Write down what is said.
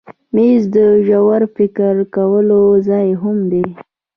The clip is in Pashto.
مېز د ژور فکر کولو ځای هم دی.